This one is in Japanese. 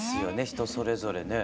人それぞれね。